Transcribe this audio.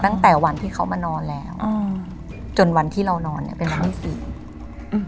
ตั้งแต่วันที่เขามานอนแล้วอืมจนวันที่เรานอนเนี้ยเป็นวันที่สี่อืม